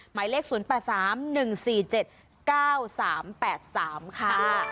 หมายเลขศูนย์ประสาม๑๔๗๙๓๘๓ค่ะ